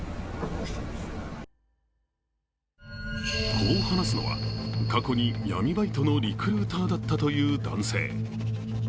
こう話すのは、過去に闇バイトのリクルーターだったという男性。